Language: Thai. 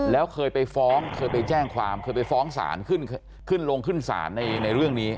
แล้วเคยไปฟ้องเคยไปแจ้งความเคยไปฟ้องศาลขึ้นลงขึ้นศาลในเรื่องนี้